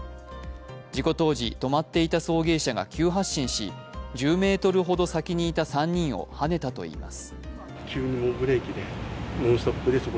事故当時、止まっていた送迎車が急発進し、１０ｍほど先にいた３人をはねたということです。